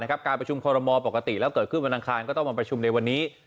การประชุมคอรมอลปกติแล้วเกิดขึ้นวันอังคารก็ต้องมาประชุมในวันนี้